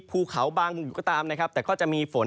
ภูเขาบางมุมอยู่ก็ตามนะครับแต่ก็จะมีฝน